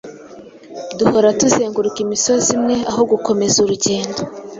Duhora tuzenguruka imisozi imwe aho gukomeza urugendo.